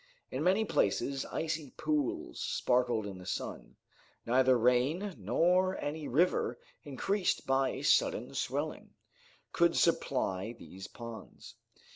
In many places icy pools sparkled in the sun. Neither rain nor any river, increased by a sudden swelling, could supply these ponds.